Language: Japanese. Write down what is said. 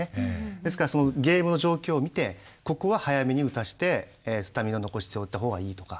ですからそのゲームの状況を見てここは早めに打たせてスタミナ残しておいたほうがいいとか。